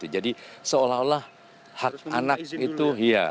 jadi seolah olah hak anak itu